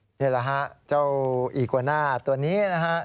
นี่แหละฮะเจ้าอีกวาน่าตัวนี้นะฮะ